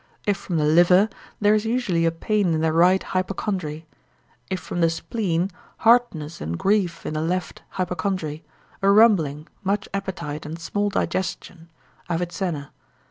If from the liver, there is usually a pain in the right hypochondry. If from the spleen, hardness and grief in the left hypochondry, a rumbling, much appetite and small digestion, Avicenna.